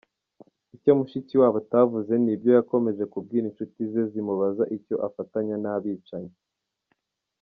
Icyo Mushikiwabo atavuze ni ibyo yakomeje kubwira inshuti ze zimubaza icyo afatanya n’abicanyi.